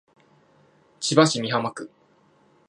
千葉市美浜区